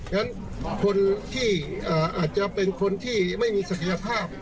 ฉะนั้นคนที่อาจจะเป็นคนที่ไม่มีศักยภาพ